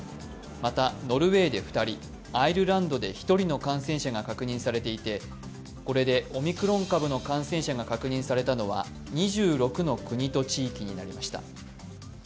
また、ノルウェーで２人アイルランドで１人の感染者が確認されていてこれでオミクロン株の感染者が確認されたのは、２６の国と地域になりました。